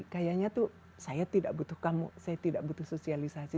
kayaknya tuh saya tidak butuh kamu saya tidak butuh sosialisasi